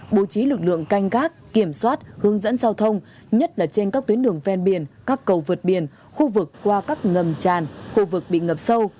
bố trí lực lượng canh gác kiểm soát hướng dẫn giao thông nhất là trên các tuyến đường ven biển các cầu vượt biển khu vực qua các ngầm tràn khu vực bị ngập sâu